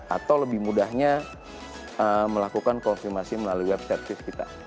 atau lebih mudahnya melakukan konfirmasi melalui web service kita